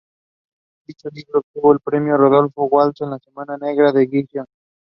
An English dub of the film was also later released.